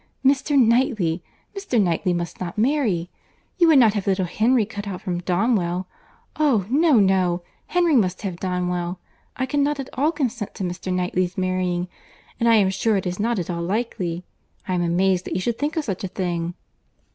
—Mr. Knightley!—Mr. Knightley must not marry!—You would not have little Henry cut out from Donwell?—Oh! no, no, Henry must have Donwell. I cannot at all consent to Mr. Knightley's marrying; and I am sure it is not at all likely. I am amazed that you should think of such a thing."